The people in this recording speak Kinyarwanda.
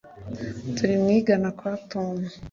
Turi mu у igana kwa Tom